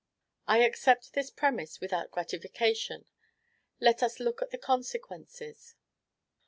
I accept this premise without qualification; let us look at the consequences.